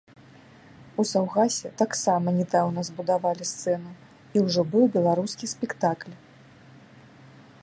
У саўгасе таксама нядаўна збудавалі сцэну і ўжо быў беларускі спектакль.